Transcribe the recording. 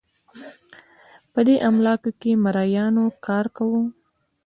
په دې املاکو کې مریانو کار کاوه